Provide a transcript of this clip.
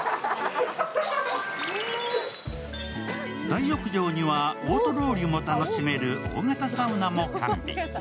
大浴場にはオートロウリュも楽しめる大型サウナも完備。